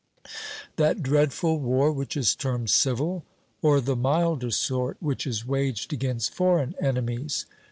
that dreadful war which is termed civil, or the milder sort which is waged against foreign enemies?